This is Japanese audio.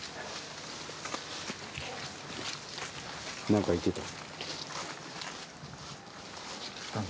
・何か言ってた？